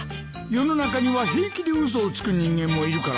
世の中には平気で嘘をつく人間もいるからな。